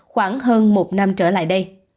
khoảng hơn một năm trở lại đây